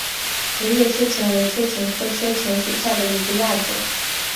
革叶车前为车前科车前属下的一个亚种。